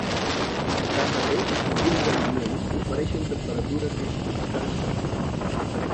Tanmateix alguns ambients ofereixen temperatures més constants que d'altres.